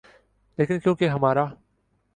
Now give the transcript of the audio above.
لیکن کیونکہ ہمارا